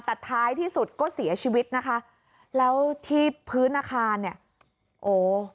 แต่ท้ายที่สุดก็เสียชีวิตนะคะแล้วที่พื้นอาคารเนี่ยโอ้